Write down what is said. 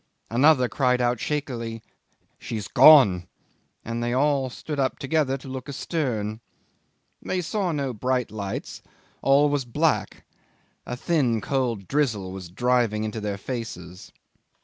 Another cried out shakily, "She's gone!" and they all stood up together to look astern. They saw no lights. All was black. A thin cold drizzle was driving into their faces.